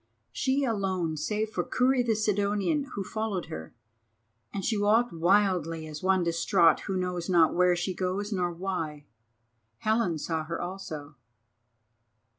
She was alone save for Kurri the Sidonian, who followed her, and she walked wildly as one distraught who knows not where she goes nor why. Helen saw her also.